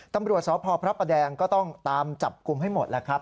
ตำรวจสพพระประแดงก็ต้องตามจับกลุ่มให้หมดแล้วครับ